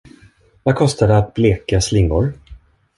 Vad kostar det att bleka slingor?